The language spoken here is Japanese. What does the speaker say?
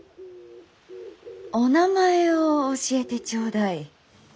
お名前を教えてちょうだい。